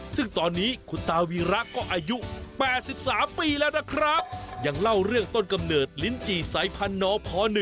ซึ่งตอนนี้คุณตาวีระก็อายุ๘๓ปีแล้วนะครับยังเล่าเรื่องต้นกำเนิดลิ้นจี่สายพันธพ๑